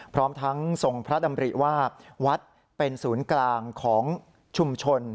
พร้อมทั้งทรงพระดำริว่าวัดเป็นศูนย์กลางของชุมชน